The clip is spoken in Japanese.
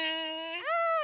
うん！